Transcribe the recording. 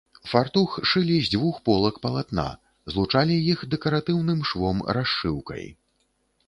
Фартух шылі з дзвюх полак палатна, злучалі іх дэкаратыўным швом-расшыўкай.